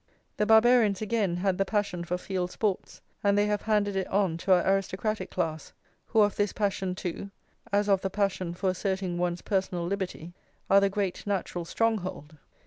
The Barbarians, again, had the passion for field sports; and they have handed it on to our aristocratic class, who of this passion too, as of the passion for asserting one's personal liberty, are the great natural stronghold.